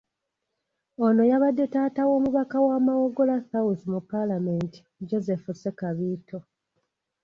Ono yabadde taata w’omubaka wa Mawogola South mu Paalamenti Joseph Ssekabiito.